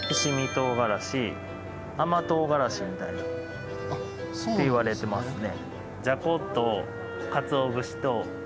甘とうがらしみたいなっていわれてますね。